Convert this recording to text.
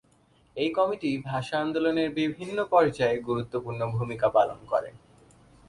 এই কমিটি ভাষা আন্দোলনের বিভিন্ন পর্যায়ে গুরুত্বপূর্ণ ভূমিকা পালন করে।